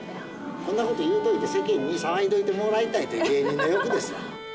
こんなこと言うといて、世間に騒いでおいてもらいたいという芸人の欲ですよ。